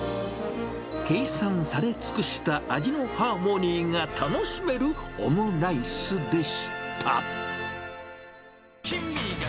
計算され尽くした味のハーモニーが楽しめるオムライスでした。